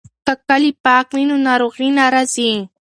که کالي پاک وي نو ناروغي نه راځي.